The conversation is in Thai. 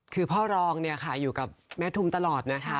คือพ่อรองอยู่กับแม่ทุมตลอดนะคะ